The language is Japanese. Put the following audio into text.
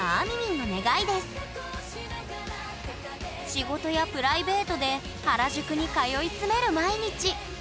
仕事やプライベートで原宿に通い詰める毎日。